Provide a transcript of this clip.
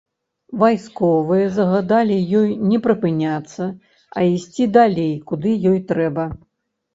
Вайсковыя загадалі ёй не прыпыняцца, а ісці далей, куды ёй трэба.